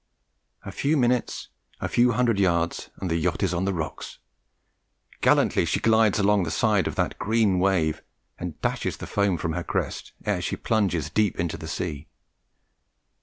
"A few minutes, a few hundred yards, and the yacht is on the rocks! Gallantly she glides along the side of that green wave and dashes the foam from her crest ere she plunges deep into the sea.